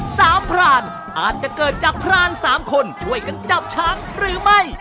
พรานอาจจะเกิดจากพรานสามคนช่วยกันจับช้างหรือไม่